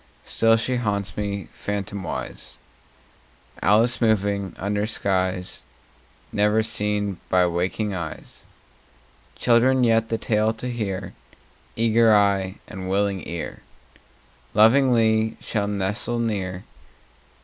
Still she haunts me, phantomwise, Alice moving under skies Never seen by waking eyes. Children yet, the tale to hear, Eager eye and willing ear, Lovingly shall nestle near.